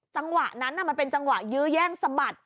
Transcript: จังหวะนั้นมันเป็นจังหวะยื้อแย่งสะบัด